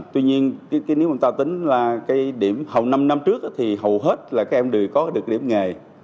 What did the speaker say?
tuy nhiên nếu chúng ta tính là cái điểm hầu năm năm trước thì hầu hết là các em đều có được điểm nghề